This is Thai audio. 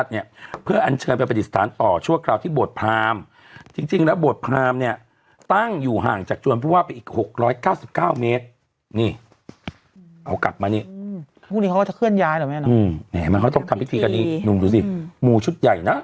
แน่นอนอืมเนี่ยมันเขาต้องทำพิธีกันนี่นุ่มดูสิมูชุดใหญ่น่ะ